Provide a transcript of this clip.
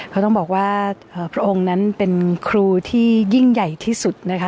เขาต้องบอกว่าพระองค์นั้นเป็นครูที่ยิ่งใหญ่ที่สุดนะคะ